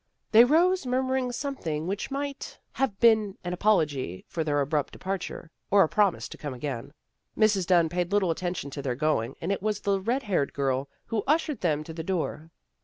They rose murmuring something which might 128 THE GIRLS OF FRIENDLY TERRACE have been an apology for their abrupt depar ture, or a promise to come again. Mrs. Dunn paid little attention to their going, and it was the red haired girl who ushered them to the door.